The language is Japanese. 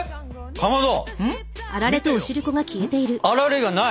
かまど！